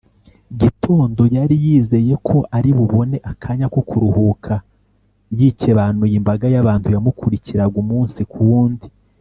gitondo, yari yizeye ko ari bubone akanya ko kuruhuka yikebanuye imbaga y’abantu yamukurikiraga umunsi ku wundi